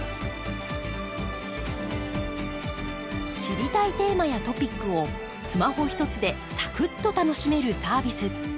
知りたいテーマやトピックをスマホひとつでサクッと楽しめるサービス。